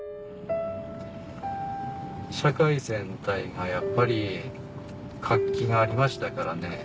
社会全体がやっぱり活気がありましたからね。